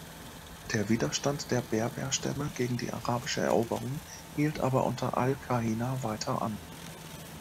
Der Widerstand der Berberstämme gegen die arabische Eroberung hielt aber unter al-Kahina weiter an.